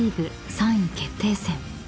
３位決定戦］